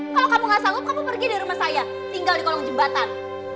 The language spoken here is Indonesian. kalau kamu gak sanggup kamu pergi dari rumah saya tinggal di kolong jembatan